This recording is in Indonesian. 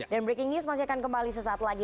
dan breaking news masih akan kembali sesaat lagi